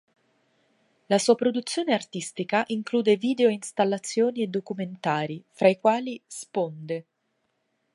La sua produzione artistica include video-installazioni e documentari, fra i quali: "Sponde.